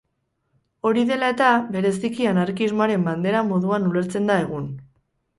Hori dela eta, bereziki anarkismoaren bandera moduan ulertzen da egun.